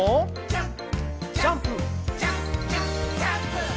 「ジャンプジャンプジャンプジャンプジャンプ」